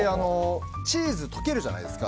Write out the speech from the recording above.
チーズが溶けるじゃないですか。